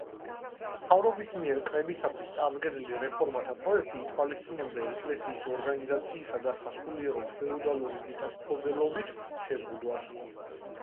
მთავრობის მიერ კრებისათვის წარდგენილი რეფორმათა პროექტი ითვალისწინებდა ეკლესიის ორგანიზაციისა და სასულიერო ფეოდალური მიწათმფლობელობის შეზღუდვას.